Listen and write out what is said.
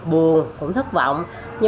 buồn cũng thất vọng